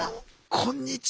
こんにちは。